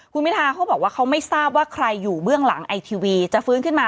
คุณพิทาเขาบอกว่าเขาไม่ทราบว่าใครอยู่เบื้องหลังไอทีวีจะฟื้นขึ้นมา